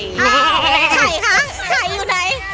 ไข่คะไข่อยู่ไหน